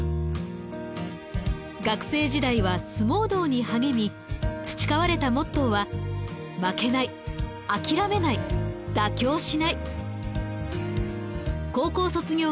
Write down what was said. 学生時代は相撲道に励み培われたモットーは「負けない諦めない妥協しない」。